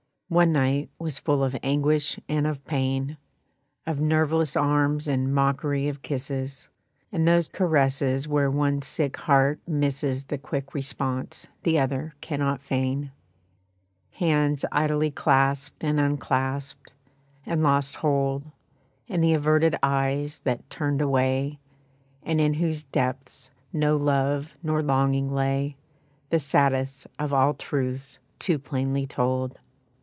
One night was full of anguish and of pain, Of nerveless arms and mockery of kisses; And those caresses where one sick heart misses The quick response the other cannot feign. Hands idly clasped and unclasped, and lost hold, And the averted eyes, that turned away, And in whose depths no love nor longing lay, The saddest of all truths too plainly told.